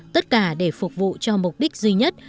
tất cả để phục vụ cho mục đích duy nhất